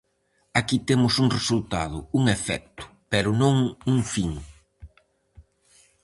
Aquí temos un resultado, un efecto, pero non un fin.